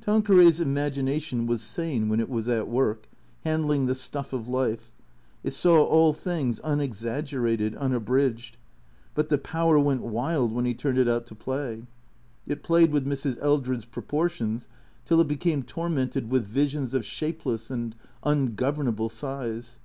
Tanqueray's imagination was sane when it was at work, handling the stuff of life; it saw all things unexaggerated, unabridged. But the power went wild when he turned it out to play. It THECEEATOKS 19 played with Mrs. Eldred's proportions till it became tormented with visions of shapeless and ungovernable size.